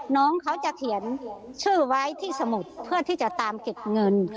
น้องเขาจะเขียนชื่อไว้ที่สมุดเพื่อที่จะตามเก็บเงิน